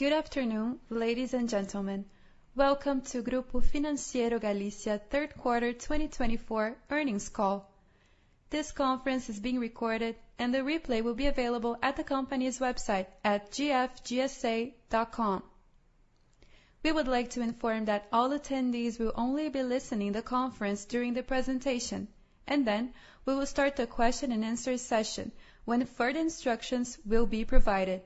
Good afternoon, ladies and gentlemen. Welcome to Grupo Financiero Galicia Third Quarter 2024 earnings call. This conference is being recorded, and the replay will be available at the company's website at gfgsa.com. We would like to inform that all attendees will only be listening to the conference during the presentation, and then we will start the question-and-answer session when further instructions will be provided.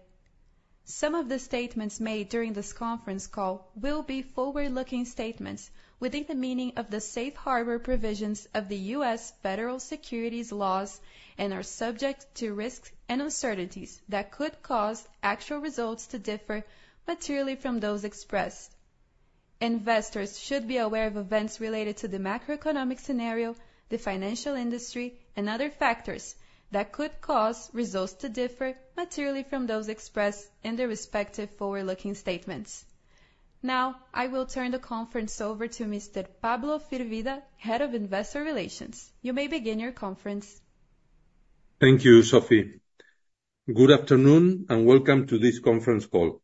Some of the statements made during this conference call will be forward-looking statements within the meaning of the safe harbor provisions of the U.S. federal securities laws and are subject to risks and uncertainties that could cause actual results to differ materially from those expressed. Investors should be aware of events related to the macroeconomic scenario, the financial industry, and other factors that could cause results to differ materially from those expressed in their respective forward-looking statements. Now, I will turn the conference over to Mr. Pablo Firvida, Head of Investor Relations. You may begin your conference. Thank you, Sophie. Good afternoon and welcome to this conference call.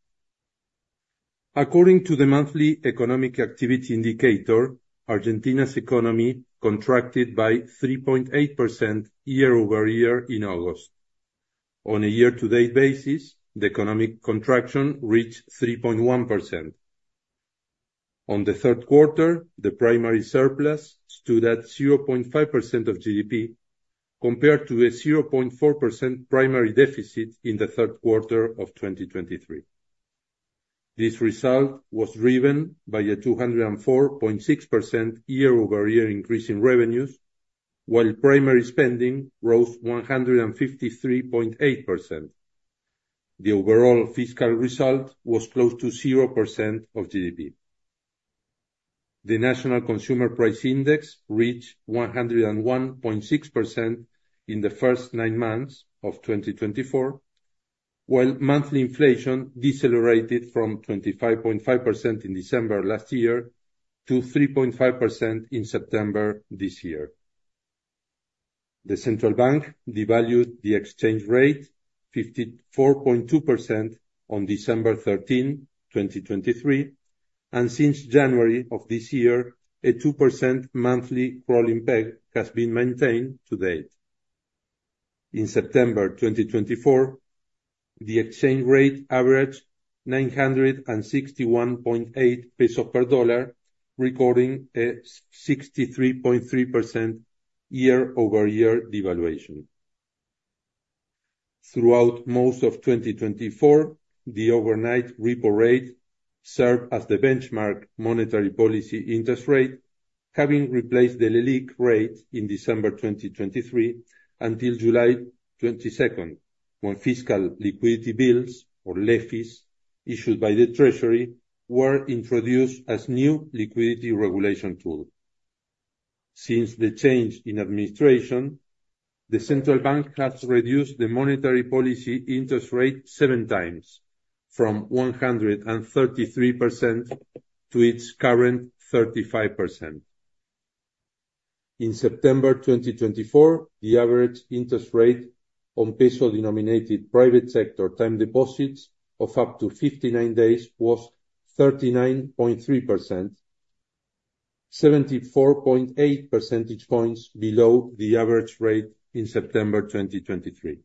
According to the monthly economic activity indicator, Argentina's economy contracted by 3.8% year over year in August. On a year-to-date basis, the economic contraction reached 3.1%. On the third quarter, the primary surplus stood at 0.5% of GDP, compared to a 0.4% primary deficit in the third quarter of 2023. This result was driven by a 204.6% year-over-year increase in revenues, while primary spending rose 153.8%. The overall fiscal result was close to 0% of GDP. The National Consumer Price Index reached 101.6% in the first nine months of 2024, while monthly inflation decelerated from 25.5% in December last year to 3.5% in September this year. The central bank devalued the exchange rate 54.2% on December 13, 2023, and since January of this year, a 2% monthly crawling peg has been maintained to date. In September 2024, the exchange rate averaged 961.8 pesos per dollar, recording a 63.3% year-over-year devaluation. Throughout most of 2024, the overnight repo rate served as the benchmark monetary policy interest rate, having replaced the Leliq rate in December 2023 until July 22nd, when fiscal liquidity bills, or LEFIs, issued by the Treasury were introduced as new liquidity regulation tools. Since the change in administration, the Central Bank has reduced the monetary policy interest rate seven times, from 133% to its current 35%. In September 2024, the average interest rate on peso-denominated private sector time deposits of up to 59 days was 39.3%, 74.8 percentage points below the average rate in September 2023.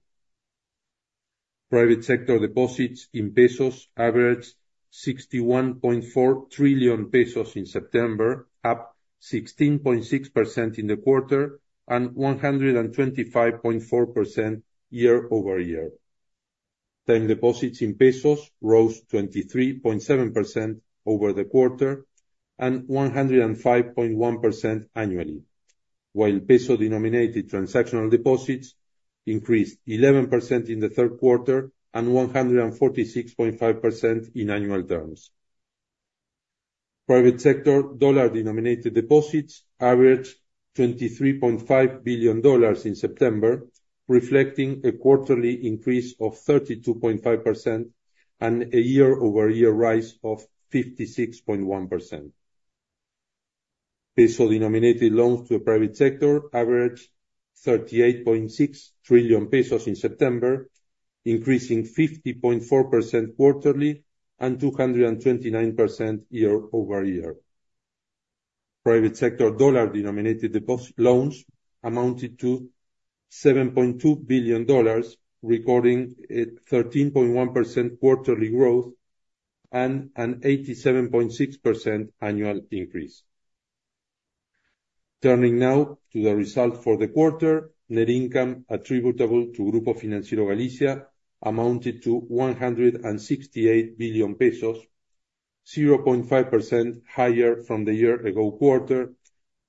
Private sector deposits in pesos averaged 61.4 trillion Pesos in September, up 16.6% in the quarter and 125.4% year-over-year. Time deposits in pesos rose 23.7% over the quarter and 105.1% annually, while peso-denominated transactional deposits increased 11% in the third quarter and 146.5% in annual terms. Private sector dollar-denominated deposits averaged $23.5 billion in September, reflecting a quarterly increase of 32.5% and a year-over-year rise of 56.1%. Peso-denominated loans to the private sector averaged 38.6 trillion pesos in September, increasing 50.4% quarterly and 229% year-over-year. Private sector dollar-denominated loans amounted to $7.2 billion, recording a 13.1% quarterly growth and an 87.6% annual increase. Turning now to the result for the quarter, net income attributable to Grupo Financiero Galicia amounted to 168 billion Pesos, 0.5% higher from the year-ago quarter,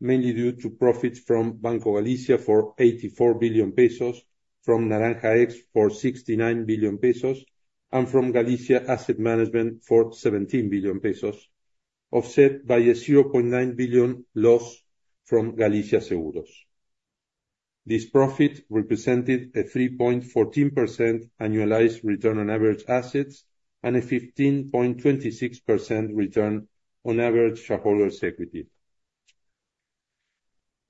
mainly due to profits from Banco Galicia for 84 billion Pesos, from Naranja X for 69 billion Pesos, and from Galicia Asset Management for 17 billion Pesos, offset by a 0.9 billion loss from Galicia Seguros. This profit represented a 3.14% annualized return on average assets and a 15.26% return on average shareholder's equity.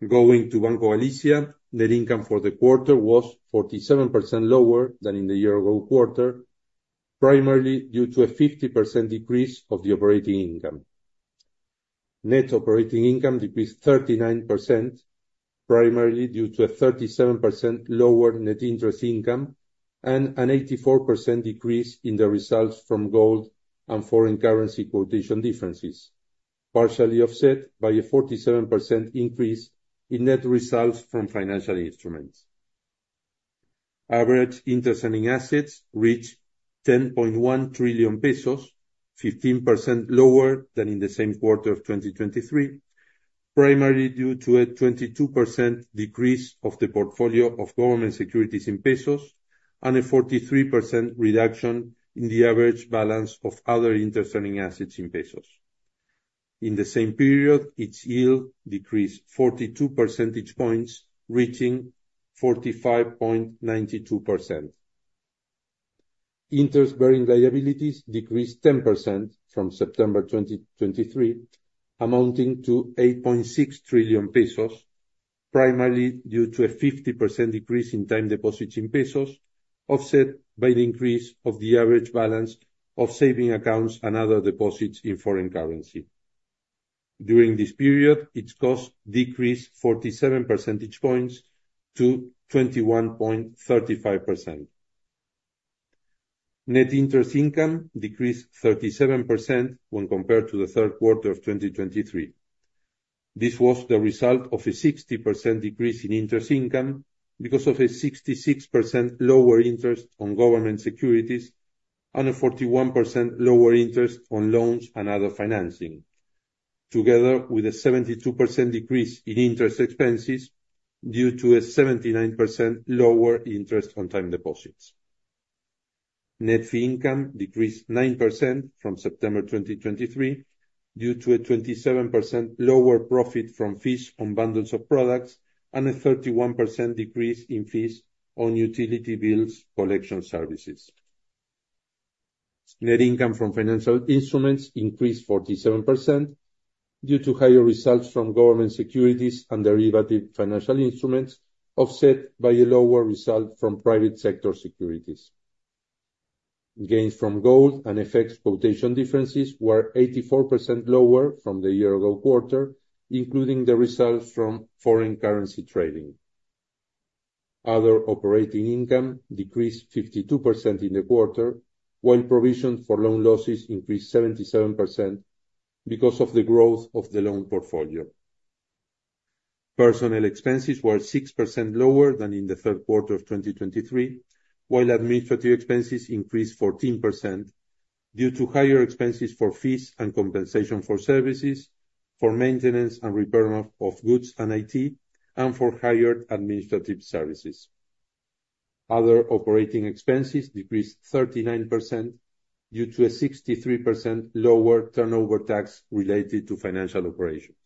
Going to Banco Galicia, net income for the quarter was 47% lower than in the year-ago quarter, primarily due to a 50% decrease of the operating income. Net operating income decreased 39%, primarily due to a 37% lower net interest income and an 84% decrease in the results from gold and foreign currency quotation differences, partially offset by a 47% increase in net results from financial instruments. Average interest-earning assets reached 10.1 trillion pesos, 15% lower than in the same quarter of 2023, primarily due to a 22% decrease of the portfolio of government securities in pesos and a 43% reduction in the average balance of other interest-earning assets in pesos. In the same period, its yield decreased 42 percentage points, reaching 45.92%. Interest-bearing liabilities decreased 10% from September 2023, amounting to 8.6 trillion Pesos, primarily due to a 50% decrease in time deposits in Pesos, offset by the increase of the average balance of saving accounts and other deposits in foreign currency. During this period, its costs decreased 47 percentage points to 21.35%. Net interest income decreased 37% when compared to the third quarter of 2023. This was the result of a 60% decrease in interest income because of a 66% lower interest on government securities and a 41% lower interest on loans and other financing, together with a 72% decrease in interest expenses due to a 79% lower interest on time deposits. Net fee income decreased 9% from September 2023 due to a 27% lower profit from fees on bundles of products and a 31% decrease in fees on utility bills collection services. Net income from financial instruments increased 47% due to higher results from government securities and derivative financial instruments, offset by a lower result from private sector securities. Gains from gold and FX quotation differences were 84% lower from the year-ago quarter, including the results from foreign currency trading. Other operating income decreased 52% in the quarter, while provisions for loan losses increased 77% because of the growth of the loan portfolio. Personnel expenses were 6% lower than in the third quarter of 2023, while administrative expenses increased 14% due to higher expenses for fees and compensation for services, for maintenance and repair of goods and IT, and for hired administrative services. Other operating expenses decreased 39% due to a 63% lower turnover tax related to financial operations.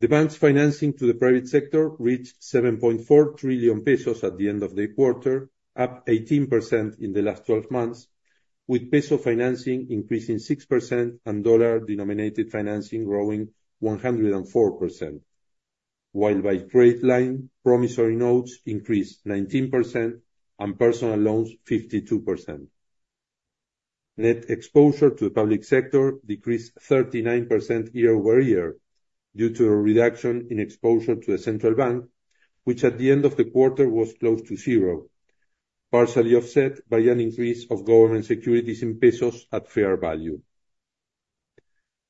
The bank's financing to the private sector reached 7.4 trillion Pesos at the end of the quarter, up 18% in the last 12 months, with Peso financing increasing 6% and dollar-denominated financing growing 104%, while by trade line, promissory notes increased 19% and personal loans 52%. Net exposure to the public sector decreased 39% year-over-year due to a reduction in exposure to the central bank, which at the end of the quarter was close to zero, partially offset by an increase of government securities in Pesos at fair value.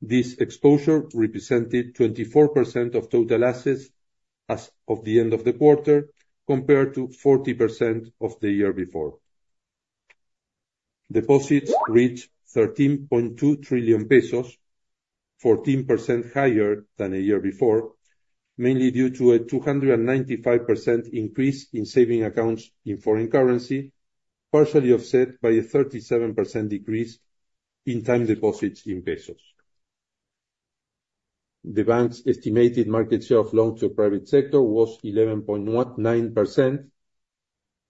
This exposure represented 24% of total assets as of the end of the quarter, compared to 40% of the year before. Deposits reached 13.2 trillion Pesos, 14% higher than a year before, mainly due to a 295% increase in savings accounts in foreign currency, partially offset by a 37% decrease in time deposits in Pesos. The bank's estimated market share of loans to the private sector was 11.9%,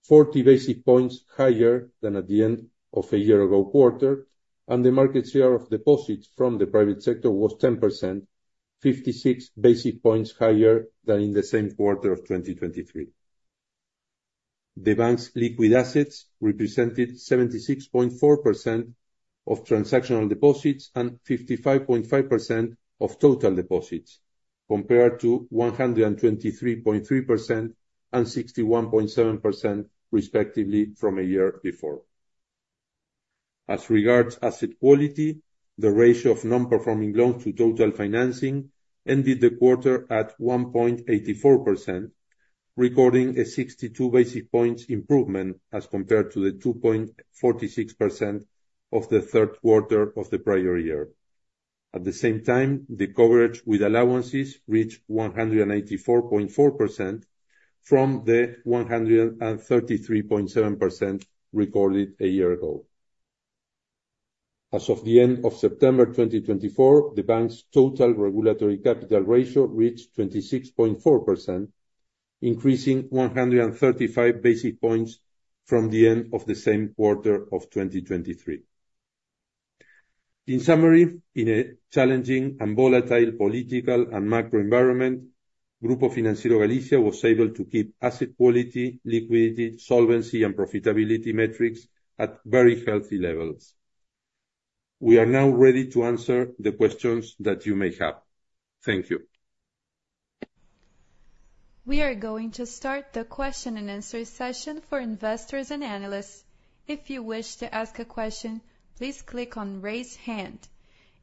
40 basis points higher than at the end of a year-ago quarter, and the market share of deposits from the private sector was 10%, 56 basis points higher than in the same quarter of 2023. The bank's liquid assets represented 76.4% of transactional deposits and 55.5% of total deposits, compared to 123.3% and 61.7%, respectively, from a year before. As regards asset quality, the ratio of non-performing loans to total financing ended the quarter at 1.84%, recording a 62 basis points improvement as compared to the 2.46% of the third quarter of the prior year. At the same time, the coverage with allowances reached 184.4% from the 133.7% recorded a year ago. As of the end of September 2024, the bank's total regulatory capital ratio reached 26.4%, increasing 135 basis points from the end of the same quarter of 2023. In summary, in a challenging and volatile political and macro environment, Grupo Financiero Galicia was able to keep asset quality, liquidity, solvency, and profitability metrics at very healthy levels. We are now ready to answer the questions that you may have. Thank you. We are going to start the question and answer session for investors and analysts. If you wish to ask a question, please click on "Raise Hand."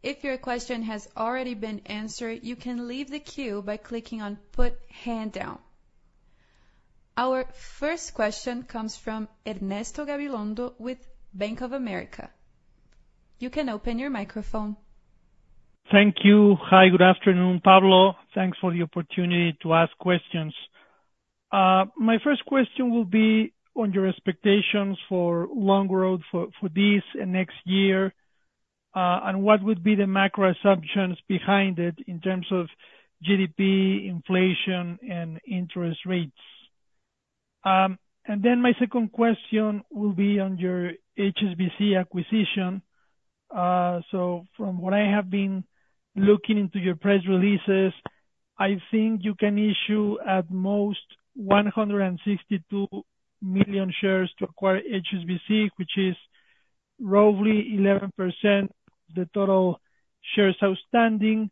If your question has already been answered, you can leave the queue by clicking on "Put Hand Down." Our first question comes from Ernesto Gabilondo with Bank of America. You can open your microphone. Thank you. Hi, good afternoon, Pablo. Thanks for the opportunity to ask questions. My first question will be on your expectations for longer-term for this and next year, and what would be the macro assumptions behind it in terms of GDP, inflation, and interest rates. And then my second question will be on your HSBC acquisition. So from what I have been looking into your press releases, I think you can issue at most 162 million shares to acquire HSBC, which is roughly 11% of the total shares outstanding.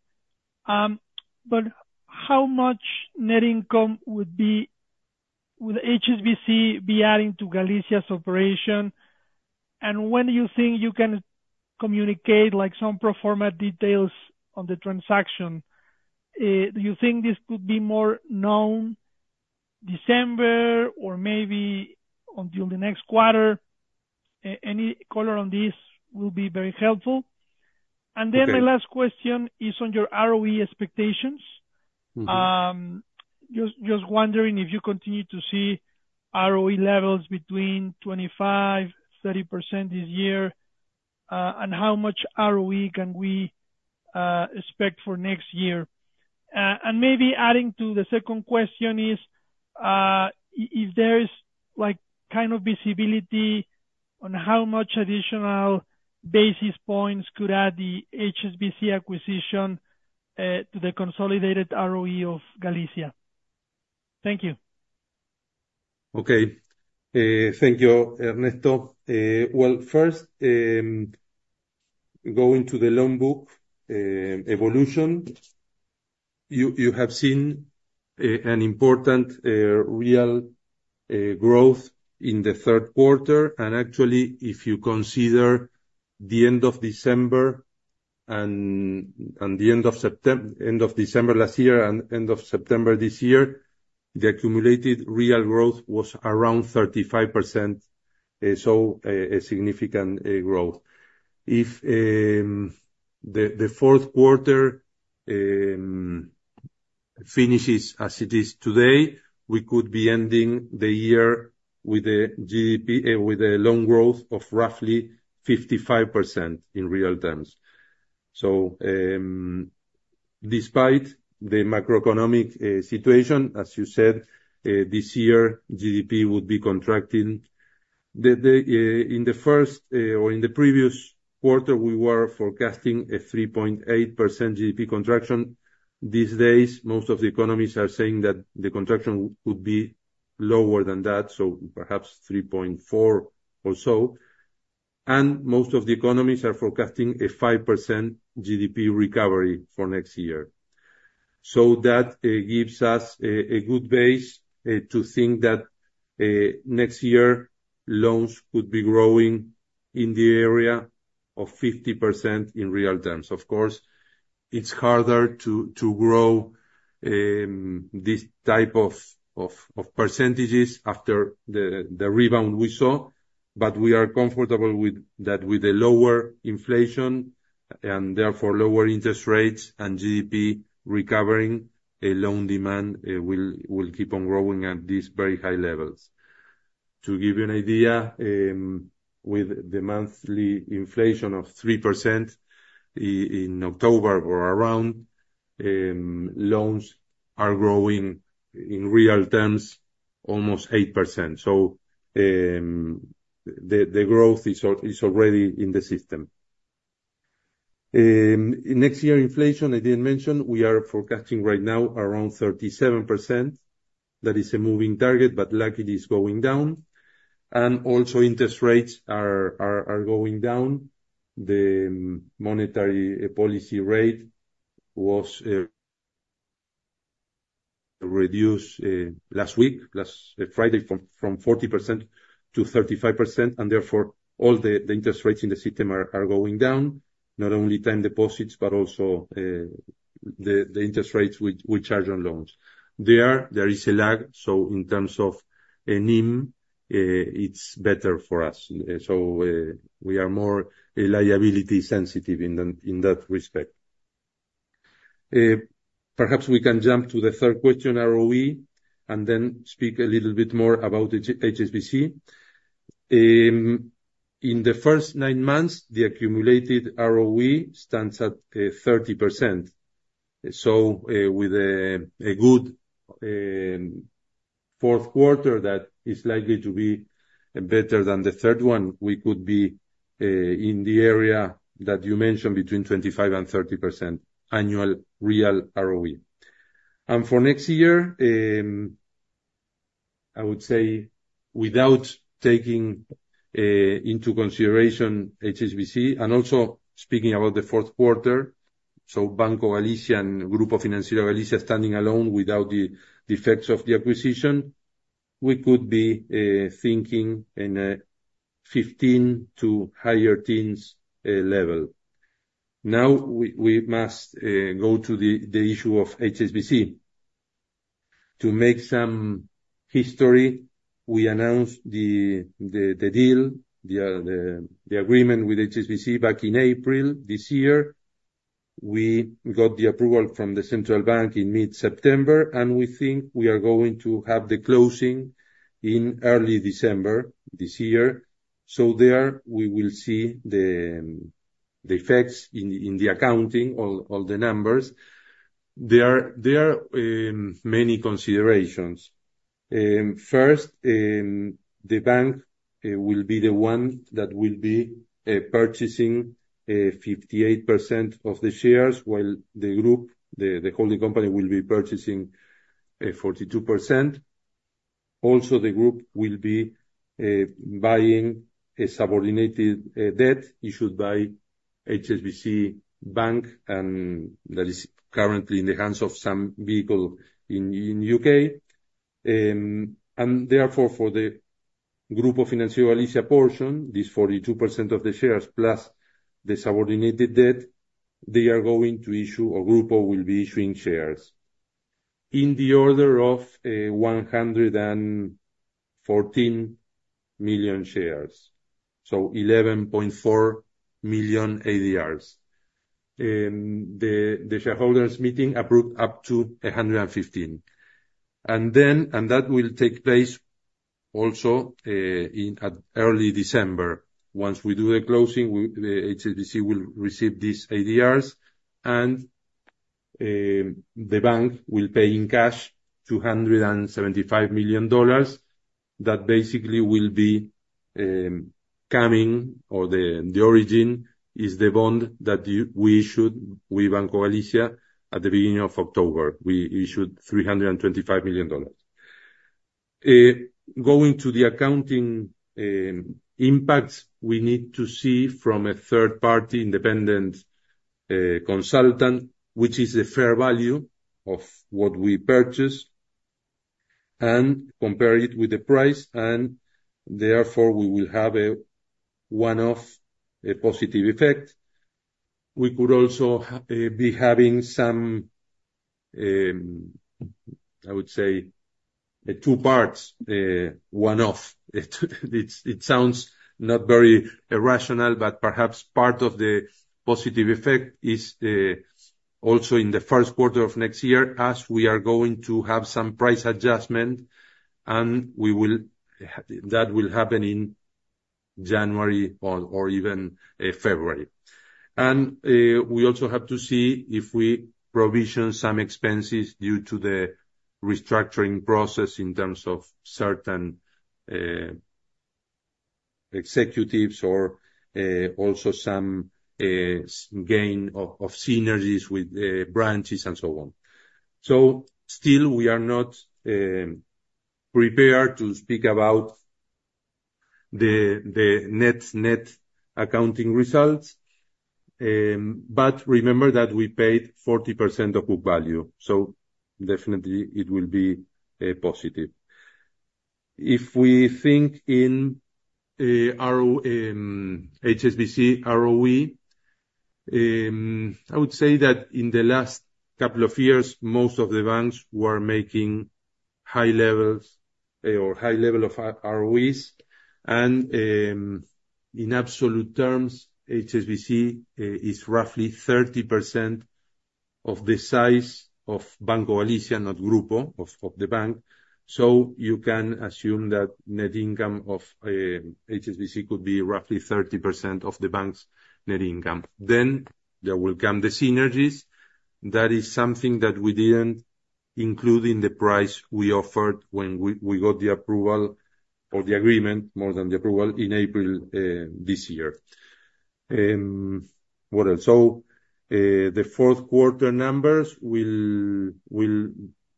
But how much net income would HSBC be adding to Galicia's operation? And when do you think you can communicate some pro forma details on the transaction? Do you think this could be more known December or maybe until the next quarter? Any color on this will be very helpful. And then my last question is on your ROE expectations. Just wondering if you continue to see ROE levels between 25%-30% this year, and how much ROE can we expect for next year? And maybe adding to the second question is, if there is kind of visibility on how much additional basis points could add the HSBC acquisition to the consolidated ROE of Galicia. Thank you. Okay. Thank you, Ernesto. Well, first, going to the loan book evolution, you have seen an important real growth in the third quarter. And actually, if you consider the end of December and the end of December last year and end of September this year, the accumulated real growth was around 35%, so a significant growth. If the fourth quarter finishes as it is today, we could be ending the year with a loan growth of roughly 55% in real terms. Despite the macroeconomic situation, as you said, this year, GDP would be contracting. In the first or in the previous quarter, we were forecasting a 3.8% GDP contraction. These days, most of the economists are saying that the contraction would be lower than that, so perhaps 3.4 or so. Most of the economists are forecasting a 5% GDP recovery for next year. That gives us a good base to think that next year, loans could be growing in the area of 50% in real terms. Of course, it's harder to grow this type of percentages after the rebound we saw, but we are comfortable with that, with a lower inflation and therefore lower interest rates and GDP recovering, loan demand will keep on growing at these very high levels. To give you an idea, with the monthly inflation of 3% in October or around, loans are growing in real terms almost 8%. So the growth is already in the system. Next year, inflation, I didn't mention, we are forecasting right now around 37%. That is a moving target, but likely it is going down. And also, interest rates are going down. The monetary policy rate was reduced last week, last Friday, from 40% to 35%, and therefore all the interest rates in the system are going down, not only time deposits, but also the interest rates we charge on loans. There is a lag, so in terms of NIM, it's better for us. So we are more liability sensitive in that respect. Perhaps we can jump to the third question, ROE, and then speak a little bit more about HSBC. In the first nine months, the accumulated ROE stands at 30%. So with a good fourth quarter that is likely to be better than the third one, we could be in the area that you mentioned between 25% and 30% annual real ROE. And for next year, I would say without taking into consideration HSBC and also speaking about the fourth quarter, so Banco Galicia and Grupo Financiero Galicia standing alone without the effects of the acquisition, we could be thinking in a 15 to higher teens level. Now, we must go to the issue of HSBC. To make some history, we announced the deal, the agreement with HSBC back in April this year. We got the approval from the Central Bank in mid-September, and we think we are going to have the closing in early December this year. So, there we will see the effects in the accounting, all the numbers. There are many considerations. First, the bank will be the one that will be purchasing 58% of the shares, while the group, the holding company, will be purchasing 42%. Also, the group will be buying a subordinated debt. issued by HSBC Bank, and that is currently in the hands of some vehicle in the U.K. And therefore, for the Grupo Financiero Galicia portion, this 42% of the shares plus the subordinated debt, they are going to issue or Grupo will be issuing shares in the order of 114 million shares, so 11.4 million ADRs. The shareholders' meeting approved up to 115. And that will take place also in early December. Once we do the closing, HSBC will receive these ADRs, and the bank will pay in cash $275 million. That basically will be coming, or the origin is the bond that we issued with Banco Galicia at the beginning of October. We issued $325 million. Going to the accounting impacts, we need to see from a third-party independent consultant, which is the fair value of what we purchased, and compare it with the price. And therefore, we will have a one-off positive effect. We could also be having some, I would say, two parts, one-off. It sounds not very rational, but perhaps part of the positive effect is also in the first quarter of next year, as we are going to have some price adjustment, and that will happen in January or even February. And we also have to see if we provision some expenses due to the restructuring process in terms of certain executives or also some gain of synergies with branches and so on. So still, we are not prepared to speak about the net accounting results, but remember that we paid 40% of book value. So definitely, it will be positive. If we think in HSBC ROE, I would say that in the last couple of years, most of the banks were making high levels or high level of ROEs. And in absolute terms, HSBC is roughly 30% of the size of Banco Galicia, not Grupo, of the bank. So you can assume that net income of HSBC could be roughly 30% of the bank's net income. Then there will come the synergies. That is something that we didn't include in the price we offered when we got the approval or the agreement, more than the approval, in April this year. What else? So the fourth quarter numbers will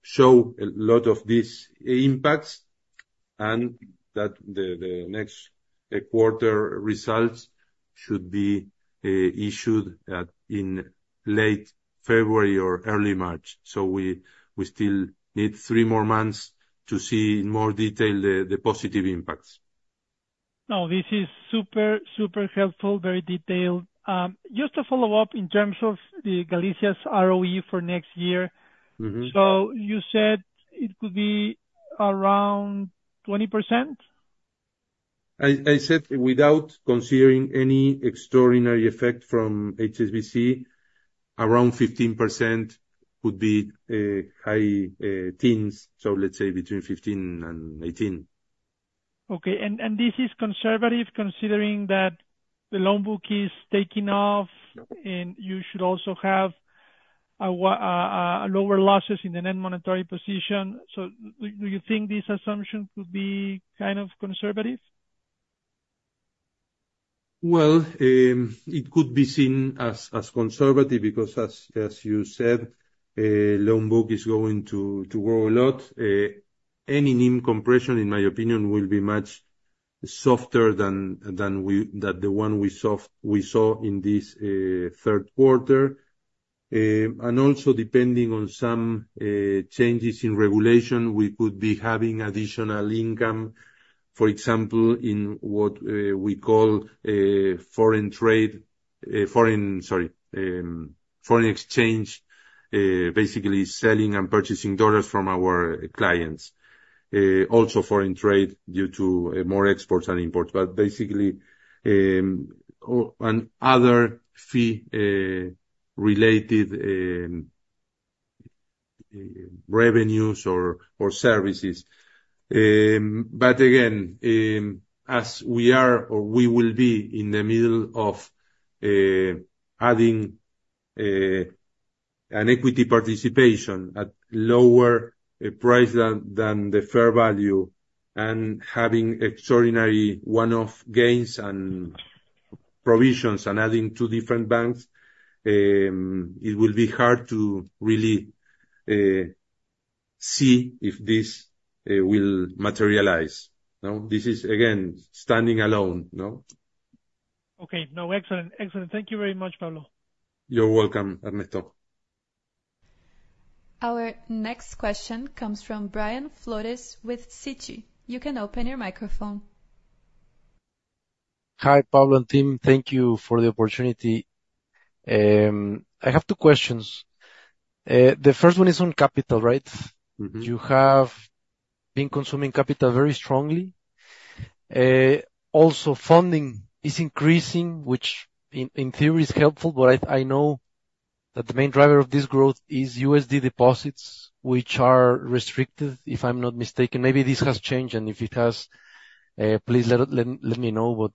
show a lot of these impacts, and that the next quarter results should be issued in late February or early March. So we still need three more months to see in more detail the positive impacts. No, this is super, super helpful, very detailed. Just to follow up in terms of Galicia's ROE for next year, so you said it could be around 20%? I said without considering any extraordinary effect from HSBC, around 15% would be high teens, so let's say between 15% and 18%. Okay. And this is conservative considering that the loan book is taking off, and you should also have lower losses in the net monetary position. So do you think this assumption could be kind of conservative? Well, it could be seen as conservative because, as you said, loan book is going to grow a lot. Any NIM compression, in my opinion, will be much softer than the one we saw in this third quarter. And also, depending on some changes in regulation, we could be having additional income, for example, in what we call foreign trade, foreign, sorry, foreign exchange, basically selling and purchasing dollars from our clients. Also, foreign trade due to more exports and imports, but basically another fee-related revenues or services. But again, as we are or we will be in the middle of adding an equity participation at lower price than the fair value and having extraordinary one-off gains and provisions and adding two different banks, it will be hard to really see if this will materialize. This is, again, standing alone. Okay. No, excellent. Excellent. Thank you very much, Pablo. You're welcome, Ernesto. Our next question comes from Brian Flores with Citi. You can open your microphone. Hi, Pablo and Tim. Thank you for the opportunity. I have two questions. The first one is on capital, right? You have been consuming capital very strongly. Also, funding is increasing, which in theory is helpful, but I know that the main driver of this growth is USD deposits, which are restricted, if I'm not mistaken. Maybe this has changed, and if it has, please let me know. But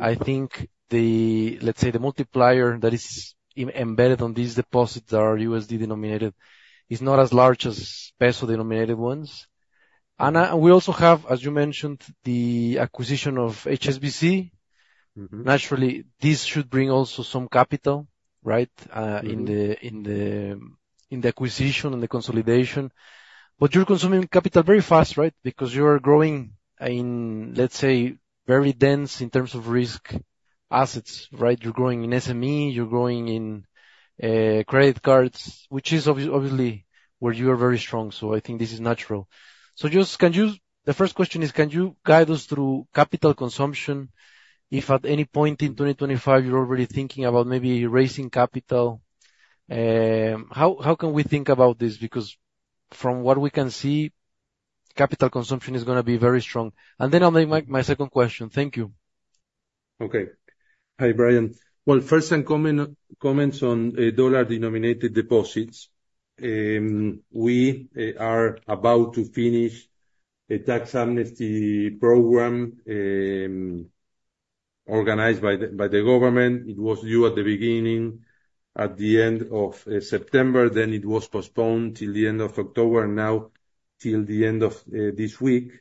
I think, let's say, the multiplier that is embedded on these deposits that are USD-denominated is not as large as peso-denominated ones. And we also have, as you mentioned, the acquisition of HSBC. Naturally, this should bring also some capital, right, in the acquisition and the consolidation. But you're consuming capital very fast, right, because you are growing in, let's say, very dense in terms of risk assets, right? You're growing in SME, you're growing in credit cards, which is obviously where you are very strong. So I think this is natural. So just can you, the first question is, can you guide us through capital consumption? If at any point in 2025, you're already thinking about maybe raising capital, how can we think about this? Because from what we can see, capital consumption is going to be very strong. And then I'll make my second question. Thank you. Okay. Hi, Brian. Well, first, some comments on dollar-denominated deposits. We are about to finish a tax amnesty program organized by the government. It was due at the beginning, at the end of September. Then it was postponed till the end of October, and now till the end of this week.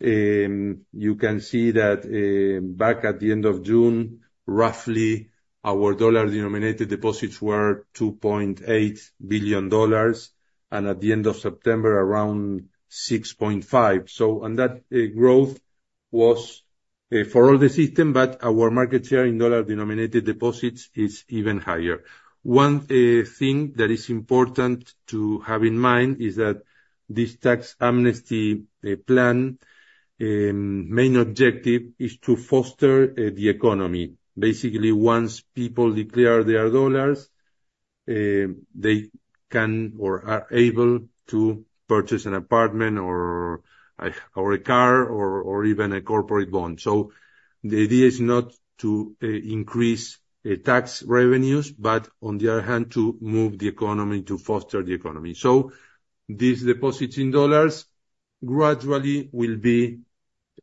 You can see that back at the end of June, roughly our dollar-denominated deposits were $2.8 billion, and at the end of September, around $6.5 billion. So that growth was for all the system, but our market share in dollar-denominated deposits is even higher. One thing that is important to have in mind is that this tax amnesty plan, main objective is to foster the economy. Basically, once people declare their dollars, they can or are able to purchase an apartment or a car or even a corporate bond. So the idea is not to increase tax revenues, but on the other hand, to move the economy to foster the economy. So these deposits in dollars gradually will be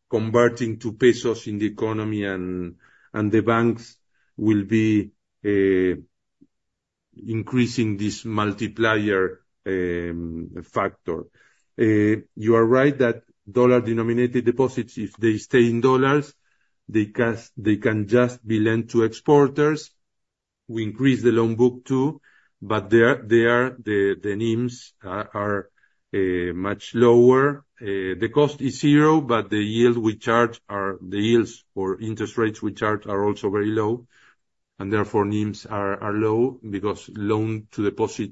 converting to Pesos in the economy, and the banks will be increasing this multiplier factor. You are right that dollar-denominated deposits, if they stay in dollars, they can just be lent to exporters. We increase the loan book too, but the NIMs are much lower. The cost is zero, but the yield we charge, the yields or interest rates we charge are also very low, and therefore, NIMs are low because loan-to-deposit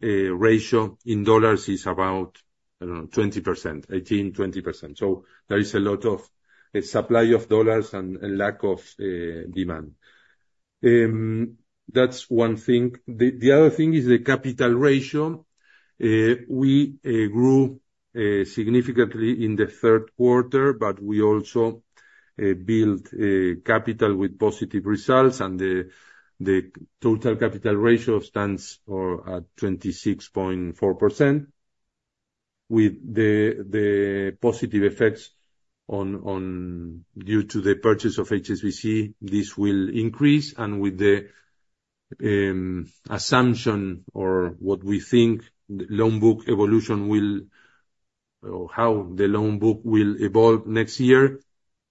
ratio in dollars is about, I don't know, 20%, 18%-20%. There is a lot of supply of dollars and lack of demand. That's one thing. The other thing is the capital ratio. We grew significantly in the third quarter, but we also built capital with positive results, and the total capital ratio stands at 26.4%. With the positive effects due to the purchase of HSBC, this will increase. With the assumption or what we think loan book evolution will, or how the loan book will evolve next year,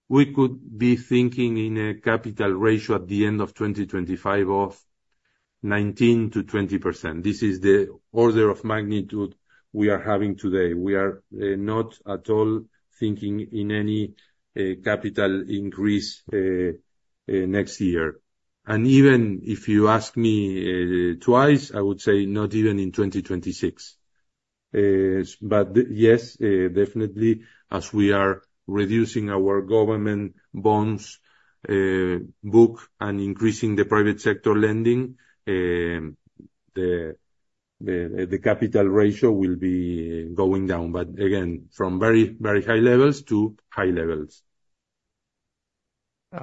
we could be thinking in a capital ratio at the end of 2025 of 19%-20%. This is the order of magnitude we are having today. We are not at all thinking in any capital increase next year. Even if you ask me twice, I would say not even in 2026. Yes, definitely, as we are reducing our government bonds book and increasing the private sector lending, the capital ratio will be going down. Again, from very, very high levels to high levels.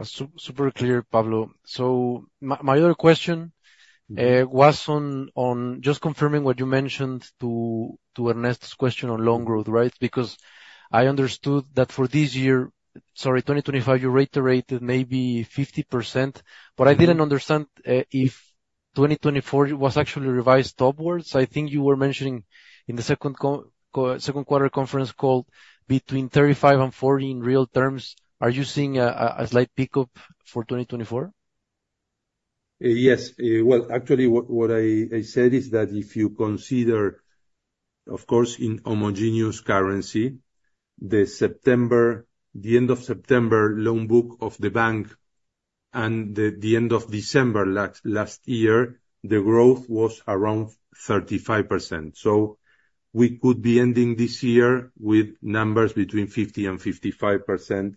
Super clear, Pablo. My other question was on just confirming what you mentioned to Ernesto's question on loan growth, right? Because I understood that for this year, sorry, 2025, you reiterated maybe 50%, but I didn't understand if 2024 was actually revised upwards. I think you were mentioning in the second quarter conference call between 35 and 40 in real terms. Are you seeing a slight pickup for 2024? Yes. Well, actually, what I said is that if you consider, of course, in homogeneous currency, the end of September loan book of the bank and the end of December last year, the growth was around 35%. So we could be ending this year with numbers between 50% and 55%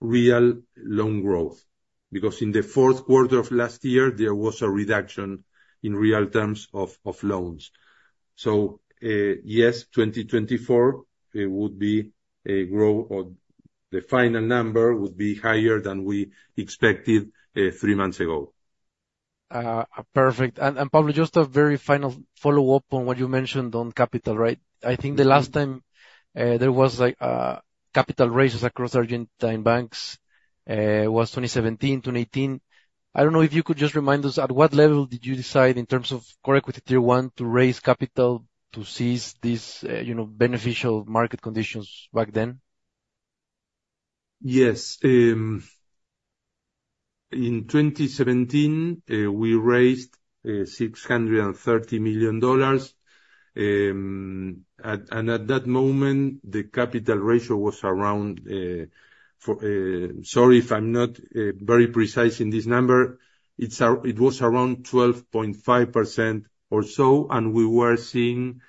real loan growth because in the fourth quarter of last year, there was a reduction in real terms of loans. So yes, 2024 would be a growth, or the final number would be higher than we expected three months ago. Perfect. And Pablo, just a very final follow-up on what you mentioned on capital, right? I think the last time there was capital raises across Argentine banks was 2017, 2018. I don't know if you could just remind us at what level did you decide in terms of Core Equity Tier 1 to raise capital to seize these beneficial market conditions back then? Yes. In 2017, we raised $630 million. And at that moment, the capital ratio was around, sorry if I'm not very precise in this number, it was around 12.5% or so, and we were seeing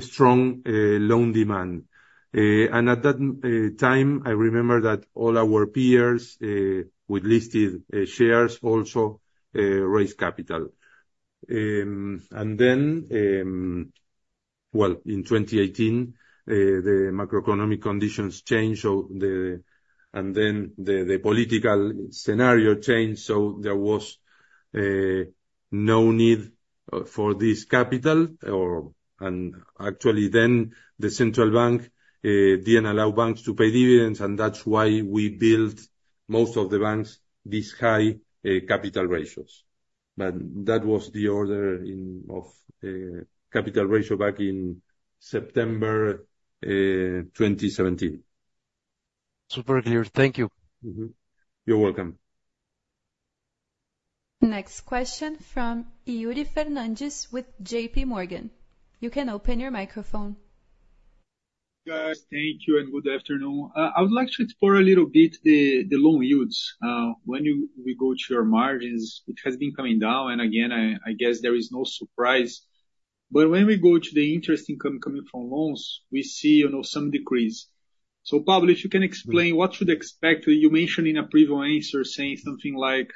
strong loan demand. And at that time, I remember that all our peers with listed shares also raised capital. And then, well, in 2018, the macroeconomic conditions changed, and then the political scenario changed, so there was no need for this capital. And actually, then the central bank didn't allow banks to pay dividends, and that's why we built most of the banks these high capital ratios. But that was the core capital ratio back in September 2017. Super clear. Thank you. You're welcome. Next question from Rui Fernandes with JP Morgan. You can open your microphone. Thank you and good afternoon. I would like to explore a little bit the loan yields. When we go to your margins, it has been coming down, and again, I guess there is no surprise. But when we go to the interest income coming from loans, we see some decrease. So Pablo, if you can explain what to expect, you mentioned in a previous answer saying something like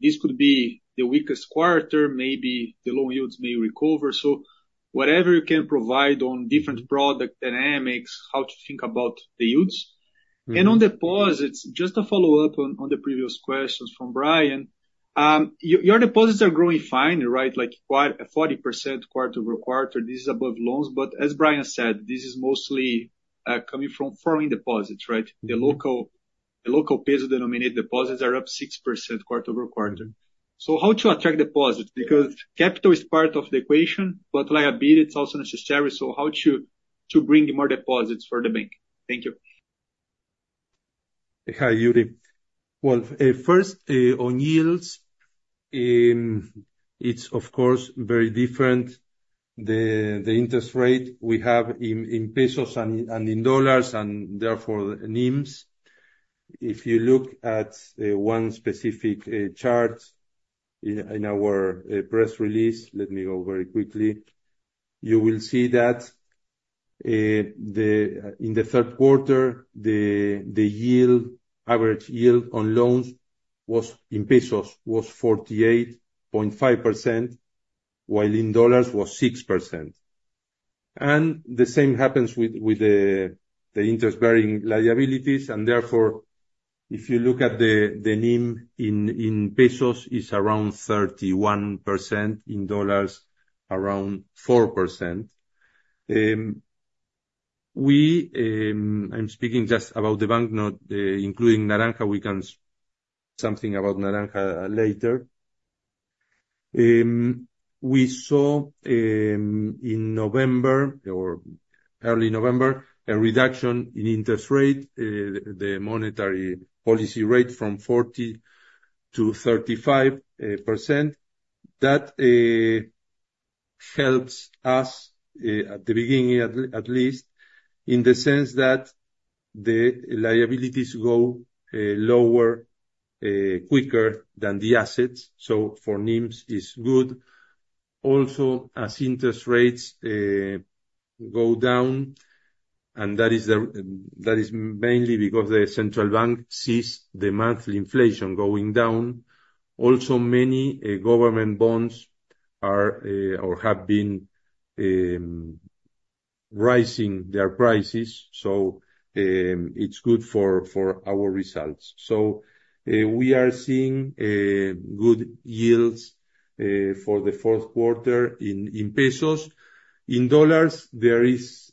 this could be the weakest quarter, maybe the loan yields may recover. So whatever you can provide on different product dynamics, how to think about the yields. And on deposits, just to follow up on the previous questions from Brian, your deposits are growing fine, right? Like 40% quarter over quarter, this is above loans. But as Brian said, this is mostly coming from foreign deposits, right? The local peso-denominated deposits are up 6% quarter over quarter. So how to attract deposits? Because capital is part of the equation, but liability is also necessary. So how to bring more deposits for the bank? Thank you. Hi, Rui. Well, first, on yields, it's of course very different. The interest rate we have in Pesos and in Dollars, and therefore NIMs. If you look at one specific chart in our press release, let me go very quickly, you will see that in the third quarter, the average yield on loans was in Pesos 48.5%, while in Dollars was 6%. And the same happens with the interest-bearing liabilities. And therefore, if you look at the NIM in Pesos, it's around 31%, in Dollars, around 4%. I'm speaking just about the Banco, including Naranja. We can say something about Naranja later. We saw in November or early November a reduction in interest rate, the monetary policy rate from 40% to 35%. That helps us at the beginning, at least, in the sense that the liabilities go lower quicker than the assets. So for NIMs, it's good. Also, as interest rates go down, and that is mainly because the Central Bank sees the monthly inflation going down. Also, many government bonds are or have been rising their prices. So it's good for our results. So we are seeing good yields for the fourth quarter in Pesos. In Dollars, there is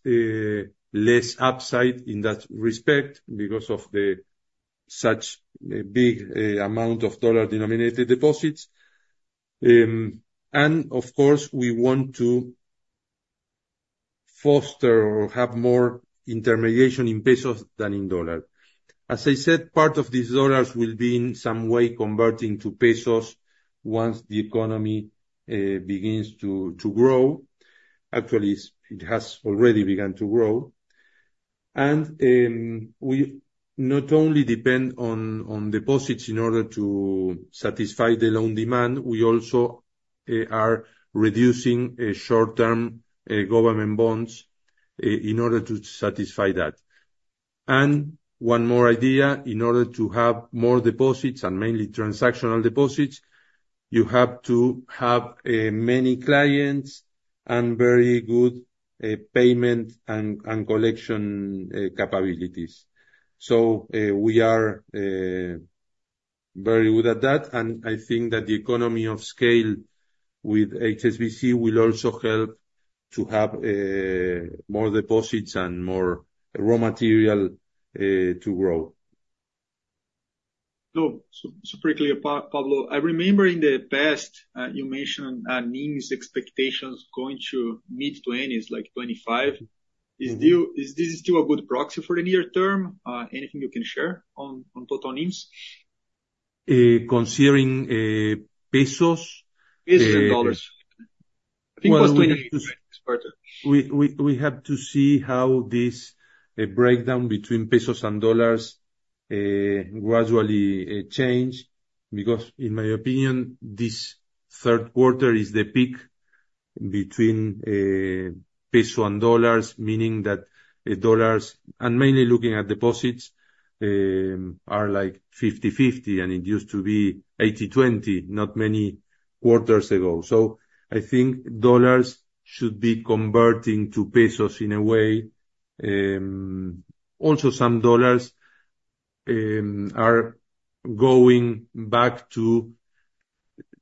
less upside in that respect because of such a big amount of dollar-denominated deposits. And of course, we want to foster or have more intermediation in Pesos than in Dollars. As I said, part of these Dollars will be in some way converting to Pesos once the economy begins to grow. Actually, it has already begun to grow. And we not only depend on deposits in order to satisfy the loan demand, we also are reducing short-term government bonds in order to satisfy that. And one more idea, in order to have more deposits, and mainly transactional deposits, you have to have many clients and very good payment and collection capabilities. So we are very good at that. And I think that the economy of scale with HSBC will also help to have more deposits and more raw material to grow. So super clear, Pablo. I remember in the past, you mentioned NIMs expectations going to mid-20s, like 25. Is this still a good proxy for the near term? Anything you can share on total NIMs? Considering Pesos? Pesos and Dollars. I think it was 2020. We have to see how this breakdown between Pesos and Dollars gradually changes because, in my opinion, this third quarter is the peak between Pesos and Dollars, meaning that Dollars, and mainly looking at deposits, are like 50-50, and it used to be 80-20 not many quarters ago. So I think Dollars should be converting to Pesos in a way. Also, some Dollars are going back to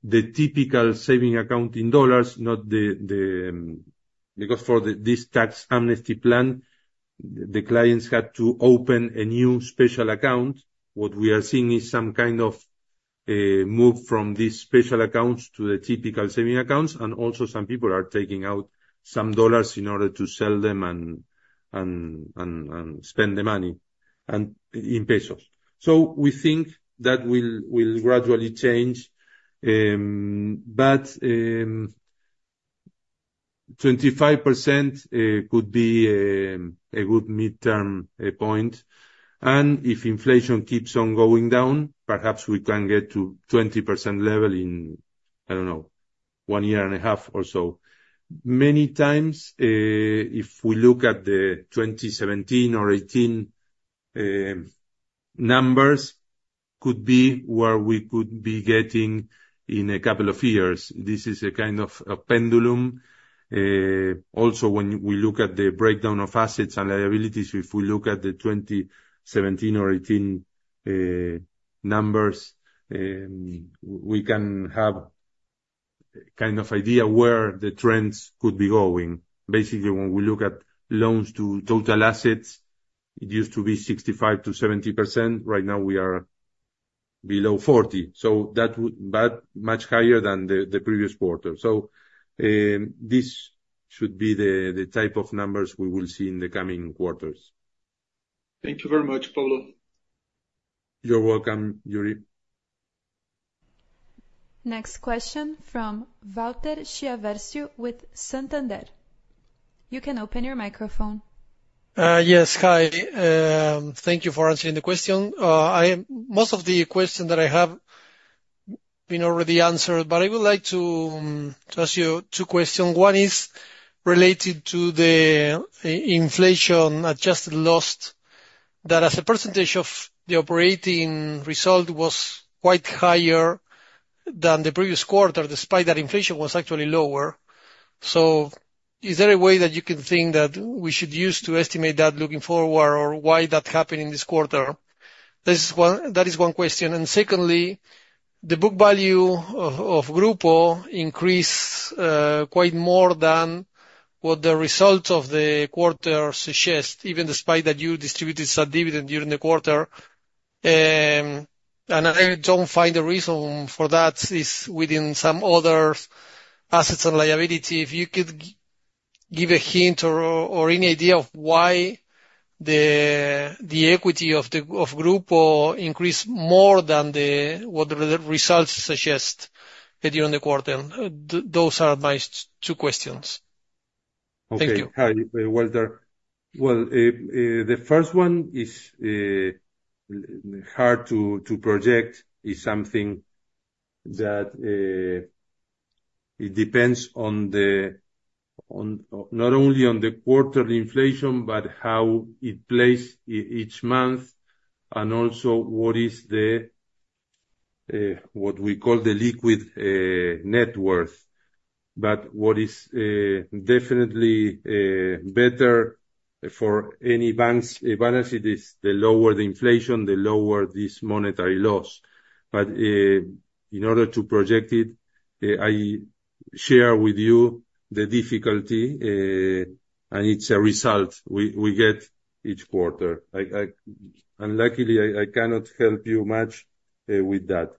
the typical savings account in Dollars, not the, because for this tax amnesty plan, the clients had to open a new special account. What we are seeing is some kind of move from these special accounts to the typical savings accounts. And also, some people are taking out some Dollars in order to sell them and spend the money in Pesos. So we think that will gradually change. But 25% could be a good mid-term point. And if inflation keeps on going down, perhaps we can get to 20% level in, I don't know, one year and a half or so. Many times, if we look at the 2017 or 2018 numbers, could be where we could be getting in a couple of years. This is a kind of a pendulum. Also, when we look at the breakdown of assets and liabilities, if we look at the 2017 or 2018 numbers, we can have a kind of idea where the trends could be going. Basically, when we look at loans to total assets, it used to be 65%-70%. Right now, we are below 40%. So that would be much higher than the previous quarter. So this should be the type of numbers we will see in the coming quarters. Thank you very much, Pablo. You're welcome, Rui. Next question from Walter Chiarvesio with Santander. You can open your microphone. Yes, hi. Thank you for answering the question. Most of the questions that I have been already answered, but I would like to ask you two questions. One is related to the inflation-adjusted loss that as a percentage of the operating result was quite higher than the previous quarter, despite that inflation was actually lower. So is there a way that you can think that we should use to estimate that looking forward or why that happened in this quarter? That is one question. And secondly, the book value of Grupo increased quite more than what the results of the quarter suggest, even despite that you distributed some dividend during the quarter. And I don't find a reason for that within some other assets and liability. If you could give a hint or any idea of why the equity of Grupo increased more than what the results suggest during the quarter, those are my two questions. Thank you. Hi, Walter. Well, the first one is hard to project. It's something that depends not only on the quarterly inflation, but how it plays each month, and also what we call the liquid net worth. But what is definitely better for any bank's balance sheet is the lower the inflation, the lower this monetary loss. But in order to project it, I share with you the difficulty, and it's a result we get each quarter. And luckily, I cannot help you much with that.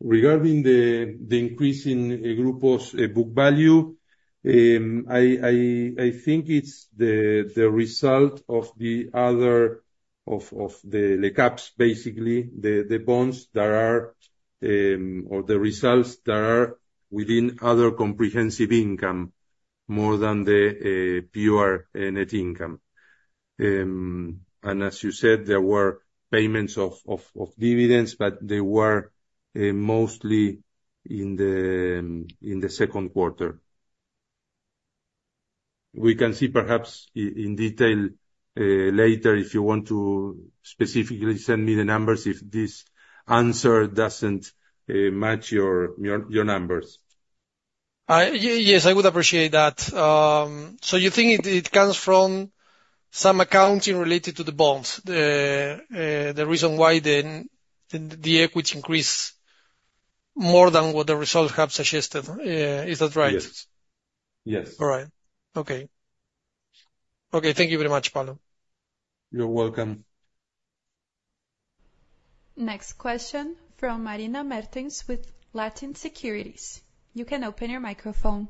Regarding the increase in Grupo's book value, I think it's the result of the other comprehensive, basically, the bonds that are, or the results that are within other comprehensive income more than the pure net income. And as you said, there were payments of dividends, but they were mostly in the second quarter. We can see perhaps in detail later if you want to specifically send me the numbers if this answer doesn't match your numbers. Yes, I would appreciate that. So you think it comes from some accounting related to the bonds, the reason why the equity increased more than what the results have suggested? Is that right? Yes. Yes. All right. Okay. Okay. Thank you very much, Pablo. You're welcome. Next question from Marina Mertens with Latin Securities. You can open your microphone.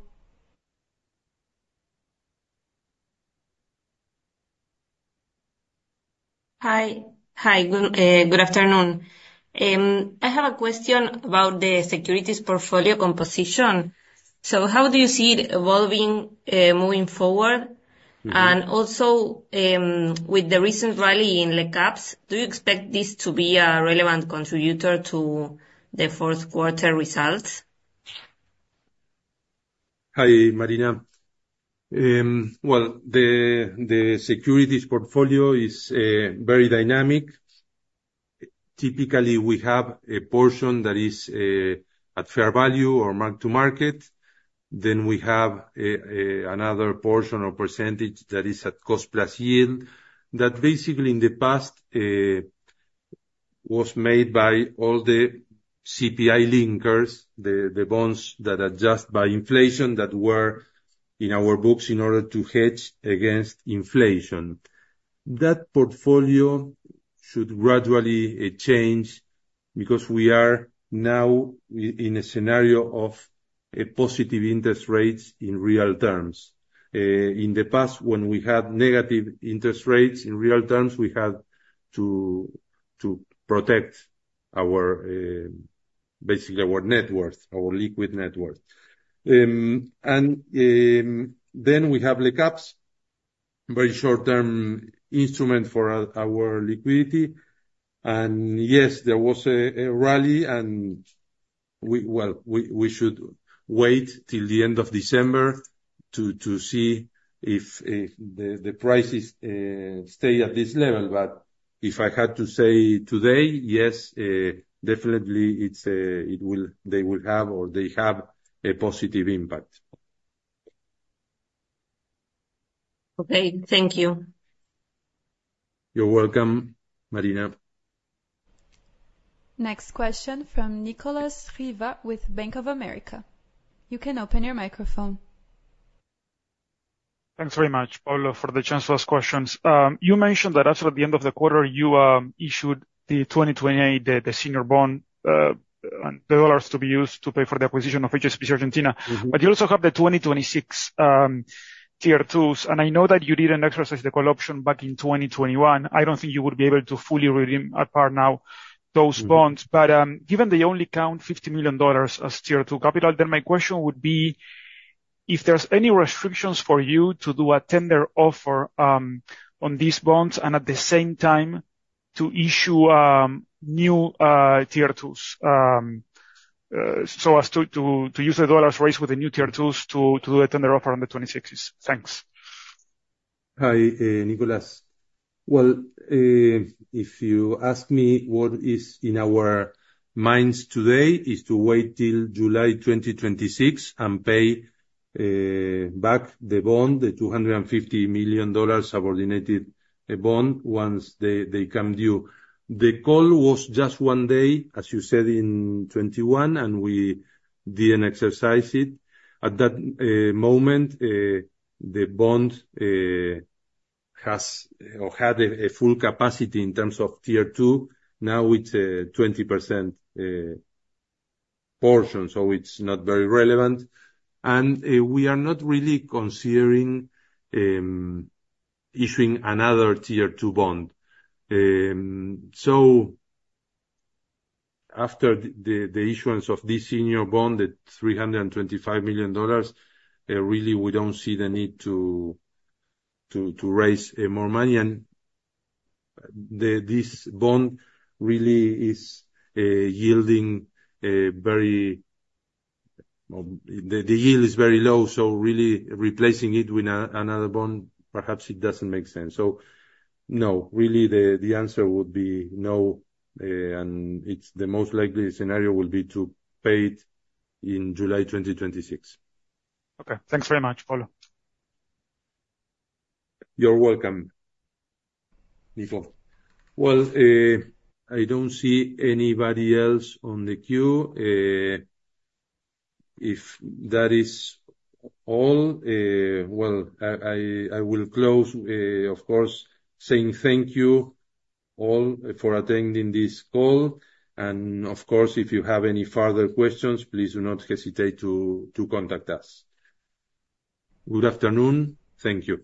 Hi. Hi. Good afternoon. I have a question about the securities portfolio composition. So how do you see it evolving moving forward? And also, with the recent rally in the caps, do you expect this to be a relevant contributor to the fourth quarter results? Hi, Marina. Well, the securities portfolio is very dynamic. Typically, we have a portion that is at fair value or mark to market. Then we have another portion or percentage that is at cost plus yield that basically in the past was made by all the CPI linkers, the bonds that adjust by inflation that were in our books in order to hedge against inflation. That portfolio should gradually change because we are now in a scenario of positive interest rates in real terms. In the past, when we had negative interest rates in real terms, we had to protect basically our net worth, our liquid net worth, and then we have the caps, very short-term instrument for our liquidity, and yes, there was a rally, and well, we should wait till the end of December to see if the prices stay at this level, but if I had to say today, yes, definitely they will have or they have a positive impact. Okay. Thank you. You're welcome, Marina. Next question from Nicolas Riva with Bank of America. You can open your microphone. Thanks very much, Pablo, for the chance to ask questions. You mentioned that after the end of the quarter, you issued the 2028, the senior bond, the dollars to be used to pay for the acquisition of HSBC Argentina. But you also have the 2026 tier twos. And I know that you didn't exercise the call option back in 2021. I don't think you would be able to fully redeem at par now those bonds. But given they only count $50 million as tier two capital, then my question would be if there's any restrictions for you to do a tender offer on these bonds and at the same time to issue new tier twos, so as to use the Dollars raised with the new tier twos to do a tender offer on the 2026s. Thanks. Hi, Nicolas. Well, if you ask me what is in our minds today, it's to wait till July 2026 and pay back the bond, the $250 million subordinated bond once they come due. The call was just one day, as you said, in 2021, and we didn't exercise it. At that moment, the bond has or had a full capacity in terms of tier two. Now it's a 20% portion, so it's not very relevant. And we are not really considering issuing another tier two bond. So after the issuance of this senior bond, the $325 million, really, we don't see the need to raise more money. And this bond really is yielding very the yield is very low. So really replacing it with another bond, perhaps it doesn't make sense. So no, really, the answer would be no. And the most likely scenario will be to pay it in July 2026. Okay. Thanks very much, Pablo. You're welcome, Nicolas. Well, I don't see anybody else on the queue. If that is all, well, I will close, of course, saying thank you all for attending this call. And of course, if you have any further questions, please do not hesitate to contact us. Good afternoon. Thank you.